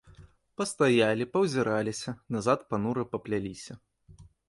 Пастаялі, паўзіраліся, назад панура папляліся.